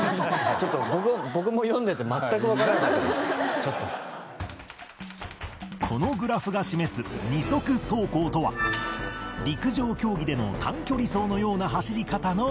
ちょっとこのグラフが示す二足走行とは陸上競技での短距離走のような走り方の事